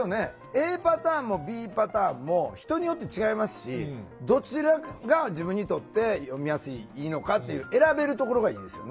ＡパターンもＢパターンも人によって違いますしどちらが自分にとって読みやすいのかっていう選べるところがいいですよね。